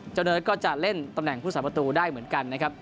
เจ้าเนิดก็จะเล่นตำแหน่งพุทธศาสตร์ประตูได้เหมือนกันนะครับ